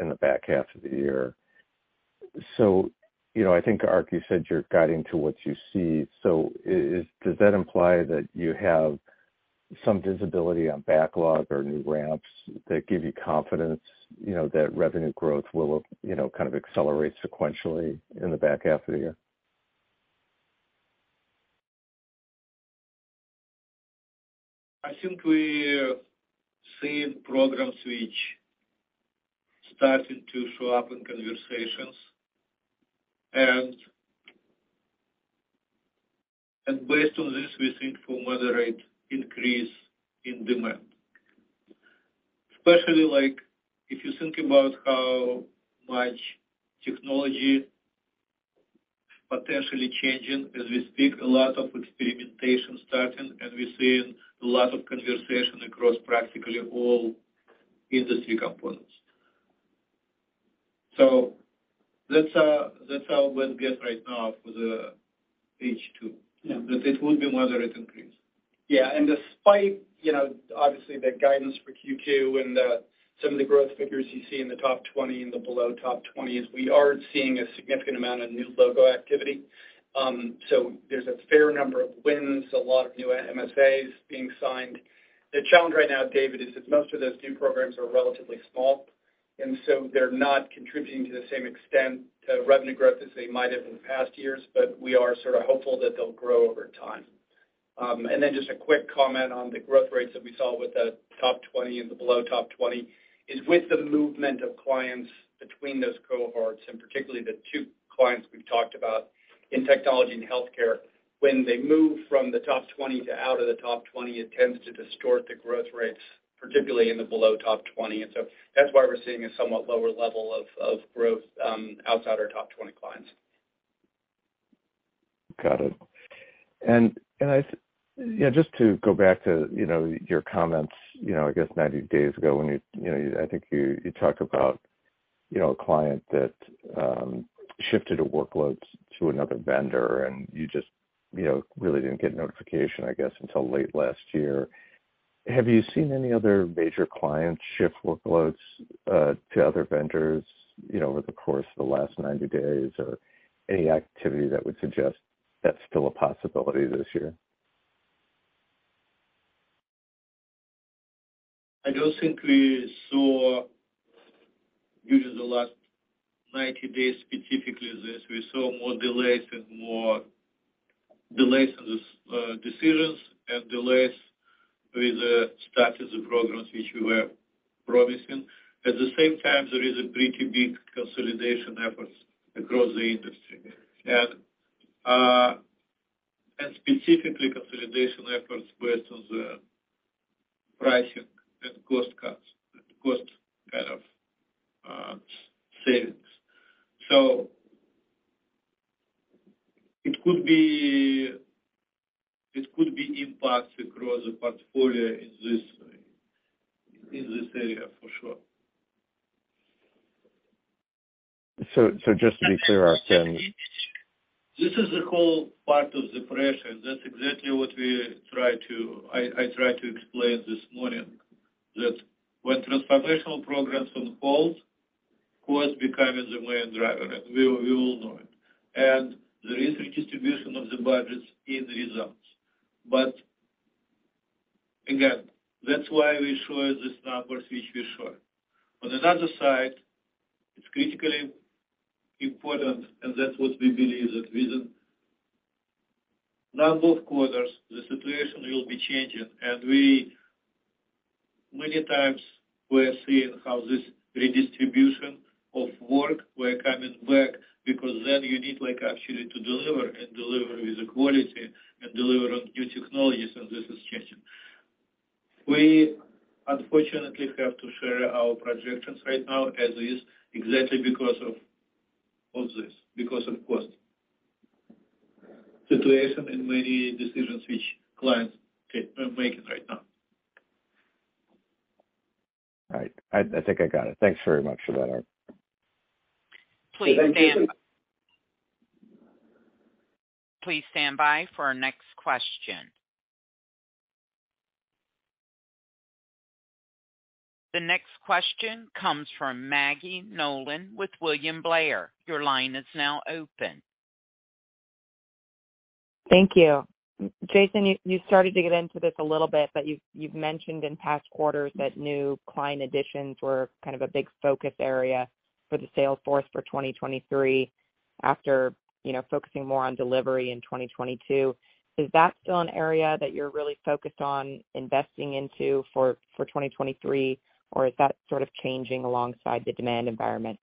in the back half of the year. You know, I think, Ark, you said you're guiding to what you see. Does that imply that you have some visibility on backlog or new ramps that give you confidence, you know, that revenue growth will, you know, kind of accelerate sequentially in the back half of the year. I think we're seeing programs which starting to show up in conversations. Based on this, we think for moderate increase in demand. Especially like if you think about how much technology potentially changing as we speak, a lot of experimentation starting, and we're seeing a lot of conversation across practically all industry components. That's, that's how we're get right now for the H2. Yeah. That it will be moderate increase. Yeah. Despite, you know, obviously the guidance for Q2 and some of the growth figures you see in the top 20 and the below top 20s, we are seeing a significant amount of new logo activity. There's a fair number of wins, a lot of new MSAs being signed. The challenge right now, David, is that most of those new programs are relatively small, they're not contributing to the same extent, revenue growth as they might have in past years. We are sort of hopeful that they'll grow over time. Just a quick comment on the growth rates that we saw with the top 20 and the below top 20 is with the movement of clients between those cohorts, and particularly the 2 clients we've talked about in technology and healthcare. When they move from the top 20 to out of the top 20, it tends to distort the growth rates, particularly in the below top 20. That's why we're seeing a somewhat lower level of growth outside our top 20 clients. Got it. Yeah, just to go back to, you know, your comments, you know, I guess 90 days ago when you know, I think you talked about, you know, a client that shifted a workloads to another vendor, and you just, you know, really didn't get notification, I guess, until late last year. Have you seen any other major clients shift workloads to other vendors, you know, over the course of the last 90 days, or any activity that would suggest that's still a possibility this year? I don't think we saw during the last 90 days, specifically this, we saw more delays and more delays in decisions and delays with the status of programs which we were promising. At the same time, there is a pretty big consolidation efforts across the industry. specifically consolidation efforts based on the pricing and cost cuts and cost kind of savings. it could be impact across the portfolio in this, in this area for sure. just to be clear, This is the whole part of the pressure, and that's exactly what we try to... I tried to explain this morning that when transformational programs on hold, cost become in the way and driver, and we all know it. There is redistribution of the budgets in the results. Again, that's why we show you these numbers which we show. On another side, it's critically important, and that's what we believe that with the number of quarters, the situation will be changing. We, many times we are seeing how this redistribution of work were coming back, because then you need like actually to deliver and deliver with the quality and deliver on new technologies. This is changing. We unfortunately have to share our projections right now as is exactly because of this, because of cost situation and many decisions which clients are making right now. All right. I think I got it. Thanks very much for that, Ark. Please stand- Thank you. Please stand by for our next question. The next question comes from Maggie Nolan with William Blair. Your line is now open. Thank you. Jason, you started to get into this a little bit, but you've mentioned in past quarters that new client additions were kind of a big focus area for the sales force for 2023 after, you know, focusing more on delivery in 2022. Is that still an area that you're really focused on investing into for 2023, or is that sort of changing alongside the demand environment?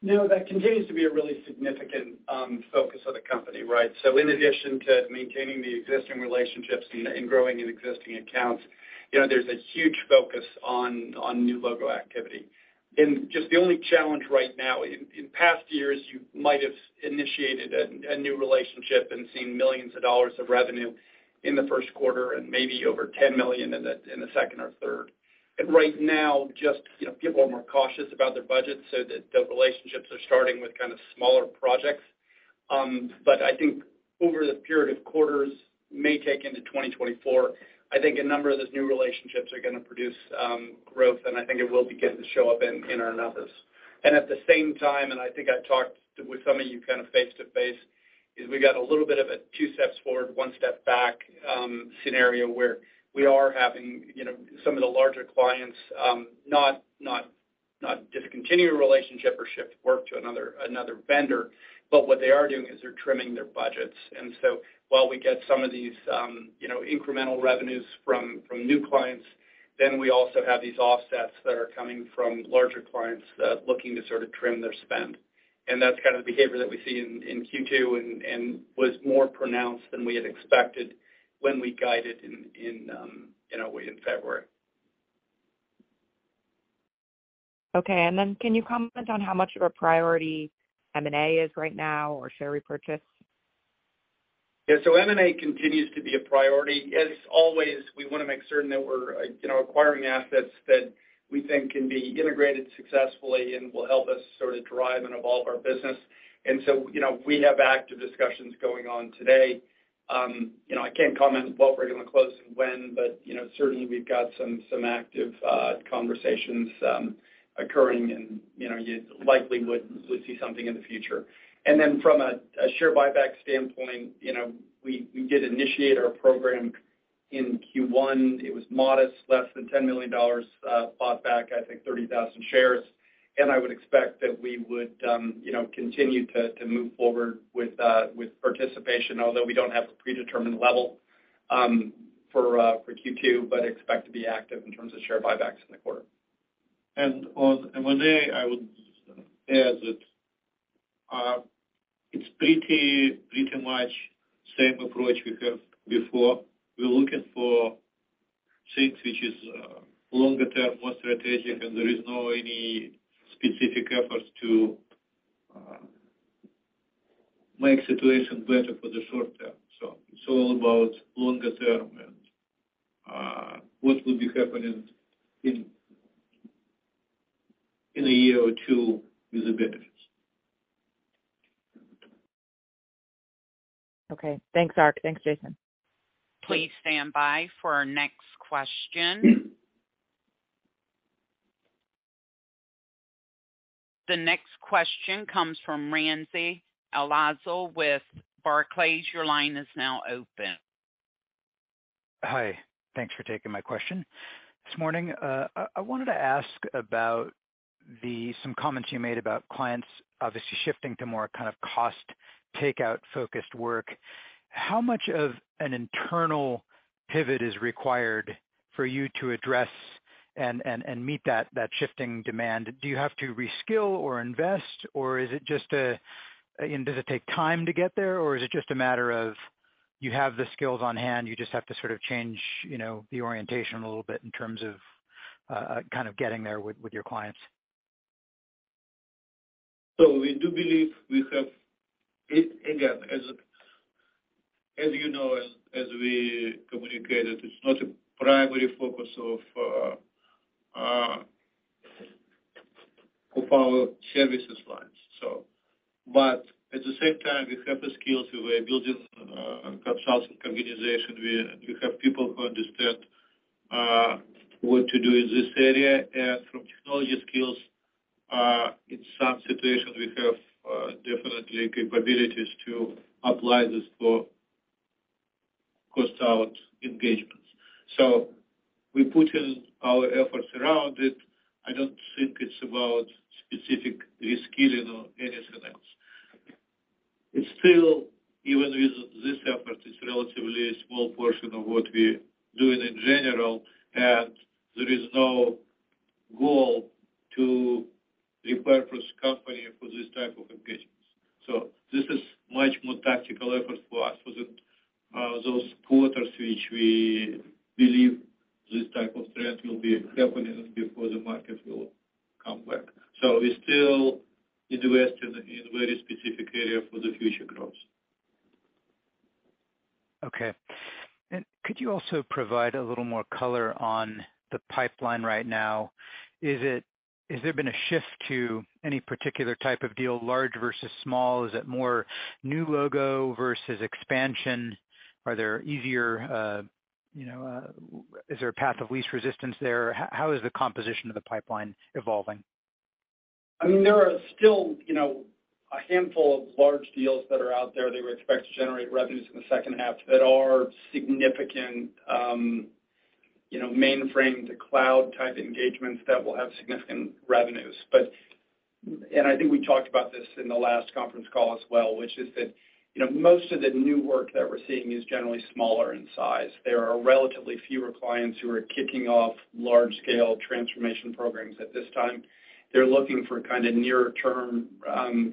No, that continues to be a really significant focus of the company, right? In addition to maintaining the existing relationships and growing in existing accounts, you know, there's a huge focus on new logo activity. Just the only challenge right now, in past years, you might have initiated a new relationship and seen millions of dollars of revenue in the first quarter, and maybe over $10 million in the second or third. Right now, just, you know, people are more cautious about their budget so that the relationships are starting with kind of smaller projects. I think over the period of quarters may take into 2024, I think a number of those new relationships are gonna produce growth, and I think it will begin to show up in our numbers. At the same time, I think I talked with some of you kind of face-to-face. We got a little bit of a two steps forward, one step back scenario where we are having, you know, some of the larger clients not discontinue a relationship or shift work to another vendor. What they are doing is they're trimming their budgets. While we get some of these, you know, incremental revenues from new clients, we also have these offsets that are coming from larger clients that are looking to sort of trim their spend. That's kind of the behavior that we see in Q2 and was more pronounced than we had expected when we guided in our way in February. Okay. Can you comment on how much of a priority M&A is right now or share repurchase? M&A continues to be a priority. As always, we wanna make certain that we're, you know, acquiring assets that we think can be integrated successfully and will help us sort of drive and evolve our business. We have active discussions going on today. I can't comment what we're gonna close and when, but, you know, certainly we've got some active conversations occurring and, you know, you likely would see something in the future. From a share buyback standpoint, you know, we did initiate our program in Q1. It was modest, less than $10 million, bought back, I think 30,000 shares. I would expect that we would, you know, continue to move forward with participation, although we don't have a predetermined level, for Q2, but expect to be active in terms of share buybacks in the quarter. On M&A, I would add that, it's pretty much same approach we have before. We're looking for things which is longer term, more strategic, and there is no any specific efforts to make situation better for the short term. It's all about longer term and what will be happening in a year or two is a benefit. Okay. Thanks, Ark. Thanks, Jason. Please stand by for our next question. The next question comes from Ramsey El-Assal with Barclays. Your line is now open. Hi. Thanks for taking my question. This morning, I wanted to ask about some comments you made about clients obviously shifting to more kind of cost takeout-focused work. How much of an internal pivot is required for you to address and meet that shifting demand? Do you have to reskill or invest? Does it take time to get there, or is it just a matter of you have the skills on hand, you just have to sort of change, you know, the orientation a little bit in terms of kind of getting there with your clients? We do believe we have it. Again, as you know, as we communicated, it's not a primary focus of our services lines. At the same time, we have the skills. We were building consulting organization. We have people who understand what to do in this area. From technology skills, in some situations, we have definitely capabilities to apply this for cost out engagements. We're putting our efforts around it. I don't think it's about specific reskilling or anything else. It's still, even with this effort, it's relatively a small portion of what we're doing in general, and there is no goal to repurpose company for this type of engagements. This is much more tactical effort for us for the those quarters which we believe this type of trend will be happening before the market will come back. We still invest in very specific area for the future growth. Okay. Could you also provide a little more color on the pipeline right now? Has there been a shift to any particular type of deal, large versus small? Is it more new logo versus expansion? Are there easier, you know, is there a path of least resistance there? How is the composition of the pipeline evolving? I mean, there are still, you know, a handful of large deals that are out there that we expect to generate revenues in the second half that are significant, you know, mainframe to cloud type engagements that will have significant revenues. I think we talked about this in the last conference call as well, which is that, you know, most of the new work that we're seeing is generally smaller in size. There are relatively fewer clients who are kicking off large scale transformation programs at this time. They're looking for kind of near term,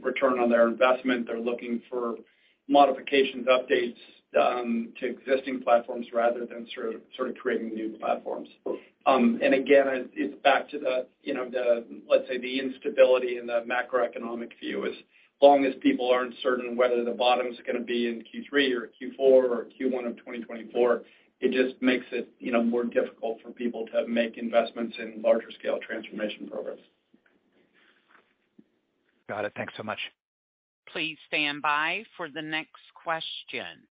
return on their investment. They're looking for modifications, updates, to existing platforms rather than sort of creating new platforms. Again, it's back to the, you know, the, let's say, the instability in the macroeconomic view. As long as people aren't certain whether the bottom's gonna be in Q3 or Q4 or Q1 of 2024, it just makes it, you know, more difficult for people to make investments in larger scale transformation programs. Got it. Thanks so much. Please stand by for the next question.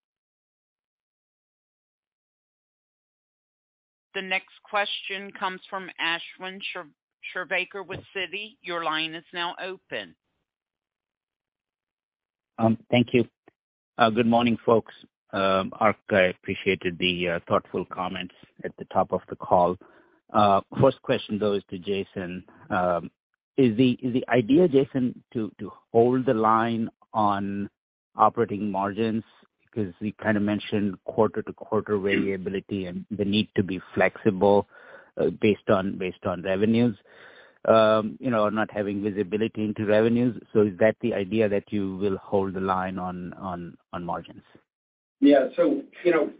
The next question comes from Ashwin Shirvaikar with Citi. Your line is now open. Thank you. Good morning, folks. Ark, I appreciated the thoughtful comments at the top of the call. First question though is to Jason. Is the idea, Jason, to hold the line on operating margins? Because we kind of mentioned quarter-to-quarter variability and the need to be flexible, based on revenues. You know, not having visibility into revenues. Is that the idea that you will hold the line on margins? Yeah. you know,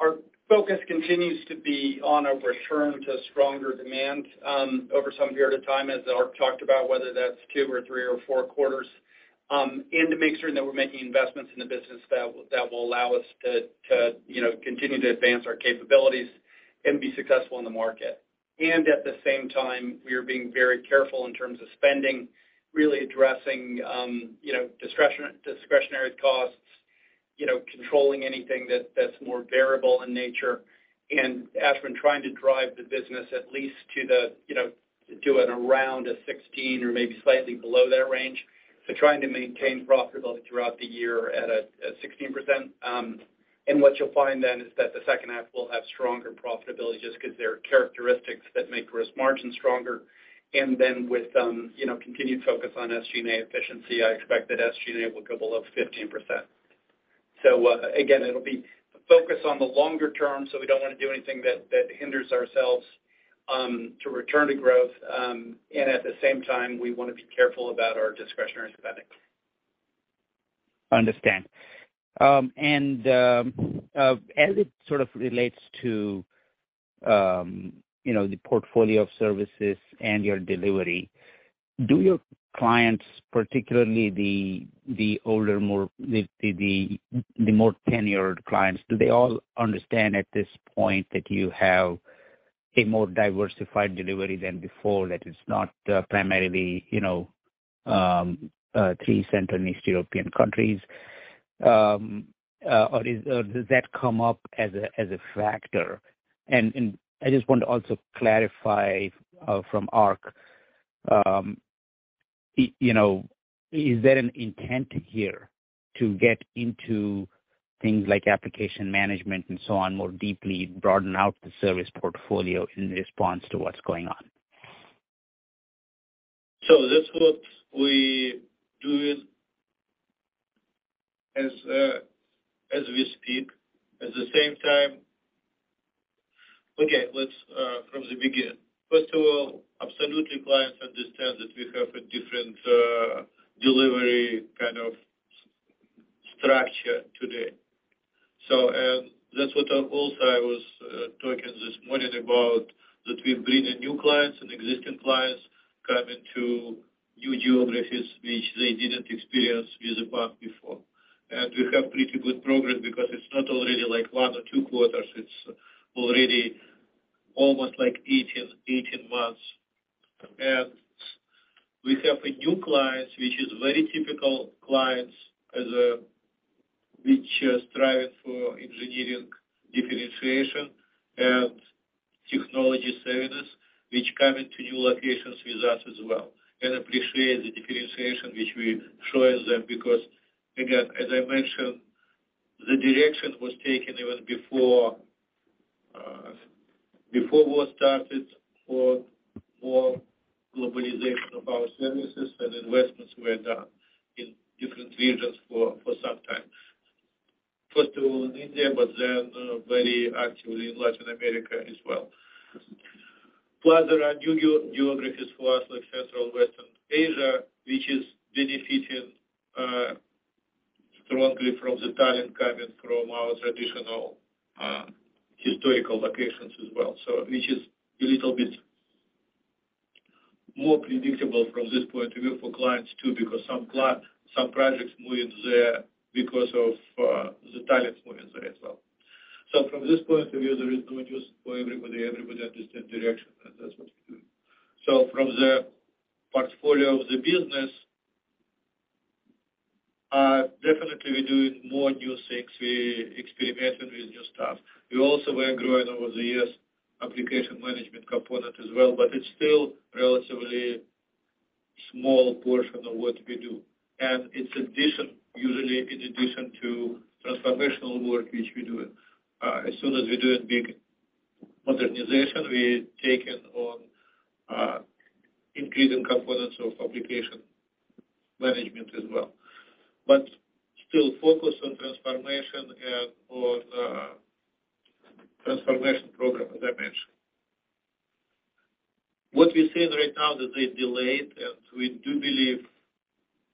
our focus continues to be on a return to stronger demand over some period of time, as Ark talked about, whether that's 2 or 3 or 4 quarters. to make sure that we're making investments in the business that will allow us to, you know, continue to advance our capabilities and be successful in the market. At the same time, we are being very careful in terms of spending, really addressing, you know, discretionary costs, you know, controlling anything that's more variable in nature. Ashwin, trying to drive the business at least to the, you know, to an around a 16% or maybe slightly below that range. Trying to maintain profitability throughout the year at 16%. What you'll find then is that the second half will have stronger profitability just 'cause there are characteristics that make gross margin stronger. With, you know, continued focus on SG&A efficiency, I expect that SG&A will go below 15%. Again, it'll be a focus on the longer term, so we don't wanna do anything that hinders ourselves to return to growth. At the same time, we wanna be careful about our discretionary spending. Understand. As it sort of relates to, you know, the portfolio of services and your delivery, do your clients, particularly the older, more... the more tenured clients, do they all understand at this point that you have a more diversified delivery than before? That it's not, primarily, you know, three Central and Eastern European countries. Does that come up as a factor? I just want to also clarify, from Ark, you know, is there an intent here to get into things like application management and so on more deeply, broaden out the service portfolio in response to what's going on? That's what we doing as we speak. At the same time. Let's from the begin. First of all, absolutely clients understand that we have a different delivery kind of structure today. That's what also I was talking this morning about that we bring in new clients and existing clients come into new geographies which they didn't experience with Wipro before. We have pretty good progress because it's not already like 1 or 2 quarters, it's already almost like 18 months. We have a new clients, which is very typical clients as, which are striving for engineering differentiation and technology services, which come into new locations with us as well, and appreciate the differentiation which we show them. Again, as I mentioned, the direction was taken even before war started for more globalization of our services and investments were done in different regions for some time. First of all in India, very actively in Latin America as well. There are new geo-geographies for us like Central Western Asia, which is benefiting strongly from the talent coming from our traditional, historical locations as well. Which is a little bit more predictable from this point of view for clients too, because some projects moved there because of the talent moving there as well. From this point of view, there is no choice for everybody. Everybody understand direction, that's what we're doing. From the portfolio of the business, definitely we're doing more new things. We experimenting with new stuff. We also were growing over the years application management component as well, but it's still relatively small portion of what we do. It's addition, usually in addition to transformational work, which we're doing. As soon as we're doing big modernization, we're taking on increasing components of application management as well. Still focus on transformation and on transformation program, as I mentioned. What we're seeing right now that they delayed, and we do believe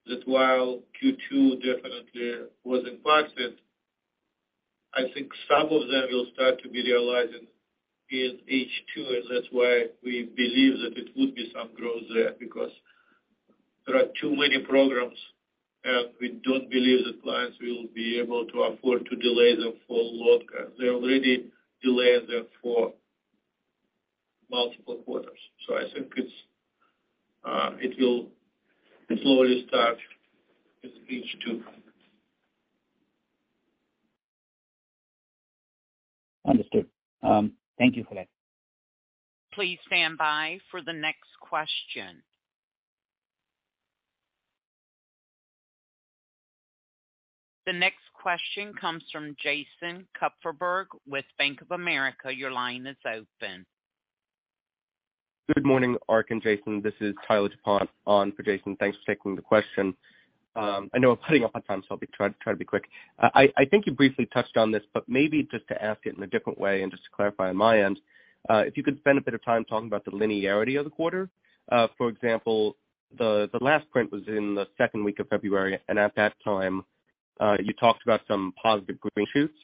that while Q2 definitely was impacted, I think some of them will start to be realizing in H2, and that's why we believe that it would be some growth there because there are too many programs, and we don't believe that clients will be able to afford to delay them for long. They already delayed them for multiple quarters. I think it's, it'll slowly start in H2. Understood. Thank you for that. Please stand by for the next question. The next question comes from Jason Kupferberg with Bank of America. Your line is open. Good morning, Ark and Jason. This is Tyler DuPont on for Jason. Thanks for taking the question. I know we're cutting off on time, so I'll try to be quick. I think you briefly touched on this, but maybe just to ask it in a different way and just to clarify on my end, if you could spend a bit of time talking about the linearity of the quarter. For example, the last print was in the second week of February, and at that time, you talked about some positive green shoots.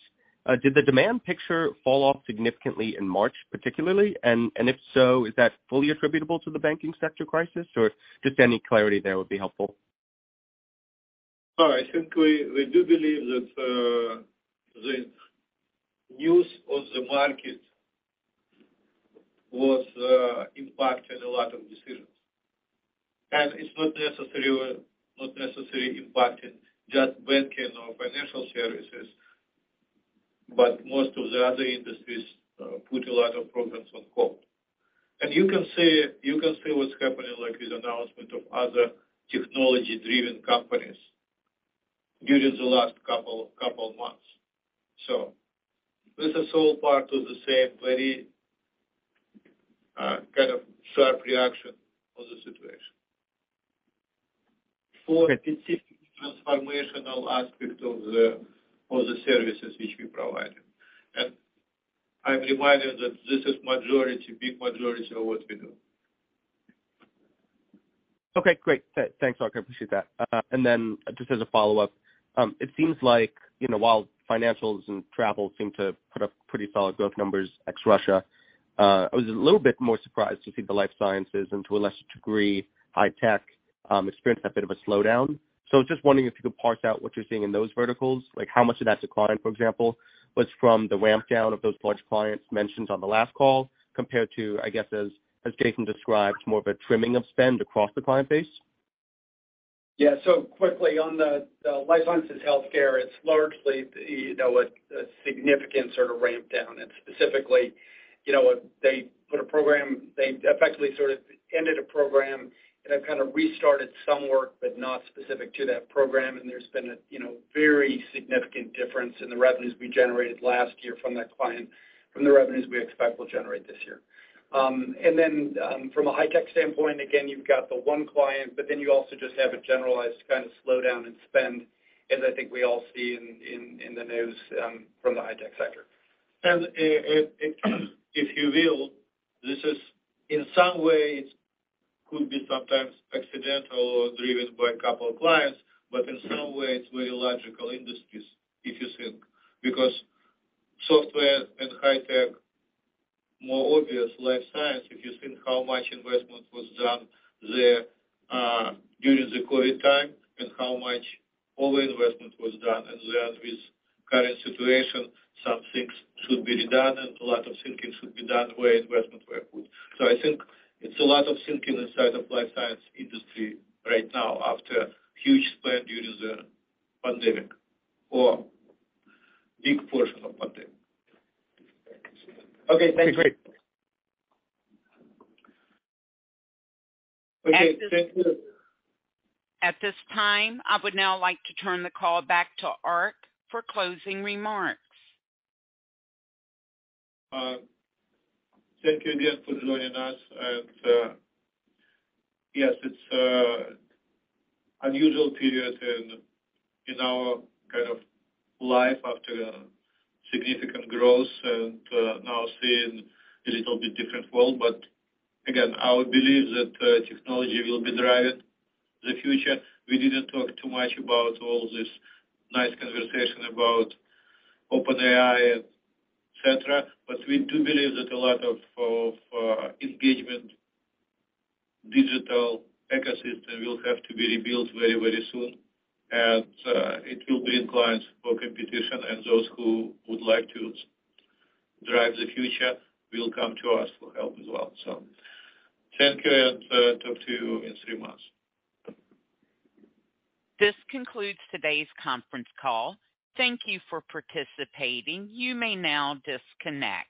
Did the demand picture fall off significantly in March, particularly? If so, is that fully attributable to the banking sector crisis? Just any clarity there would be helpful. All right. I think we do believe that the news of the market was impacting a lot of decisions. It's not necessarily impacting just banking or financial services, but most of the other industries put a lot of programs on hold. You can see what's happening, like this announcement of other technology-driven companies during the last couple months. This is all part of the same very kind of sharp reaction of the situation. For specific transformational aspect of the services which we provided. I'm reminded that this is big majority of what we do. Okay, great. Thanks, Ark. I appreciate that. And then just as a follow-up, it seems like, you know, while financials and travel seem to put up pretty solid growth numbers, ex Russia, I was a little bit more surprised to see the life sciences and to a lesser degree, high tech, experience that bit of a slowdown. I was just wondering if you could parse out what you're seeing in those verticals, like how much of that decline, for example, was from the ramp down of those large clients mentioned on the last call, compared to, I guess, as Jason described, more of a trimming of spend across the client base? Yeah. quickly on the life sciences healthcare, it's largely, you know, a significant sort of ramp down. Specifically, you know, they effectively sort of ended a program and have kind of restarted some work, but not specific to that program. There's been a, you know, very significant difference in the revenues we generated last year from that client, from the revenues we expect we'll generate this year. From a high-tech standpoint, again, you've got the one client, but then you also just have a generalized kind of slowdown in spend as I think we all see in the news from the high-tech sector. If you will, this is in some ways could be sometimes accidental or driven by a couple of clients, but in some way it's very logical industries, if you think. Software and high tech, more obvious life science, if you think how much investment was done there during the COVID time and how much over investment was done. With current situation, some things should be redone, and a lot of thinking should be done where investment were put. I think it's a lot of thinking inside the life science industry right now after huge spend during the pandemic or big portion of pandemic. Okay, thank you. Great. Okay. Thank you. At this time, I would now like to turn the call back to Ark for closing remarks. Thank you again for joining us. Yes, it's a unusual period in our kind of life after significant growth and now seeing a little bit different world. Again, I would believe that technology will be driving the future. We didn't talk too much about all this nice conversation about OpenAI, et cetera. We do believe that a lot of engagement, digital ecosystem will have to be rebuilt very, very soon. It will bring clients for competition and those who would like to drive the future will come to us for help as well. Thank you and talk to you in three months. This concludes today's conference call. Thank you for participating. You may now disconnect.